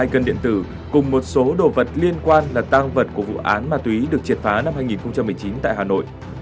hai cân điện tử cùng một số đồ vật liên quan là tang vật của vụ án ma túy được triệt phá năm hai nghìn một mươi chín tại hà nội